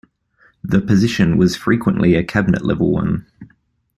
The position was frequently a cabinet level one.